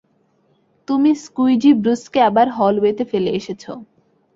তুমি স্কুইজি ব্রুসকে আবার হলওয়েতে ফেলে এসেছ।